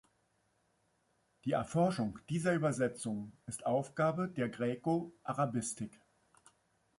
Die Erforschung dieser Übersetzungen ist Aufgabe der Graeco-Arabistik.